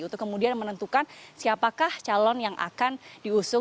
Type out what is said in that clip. untuk kemudian menentukan siapakah calon yang akan diusung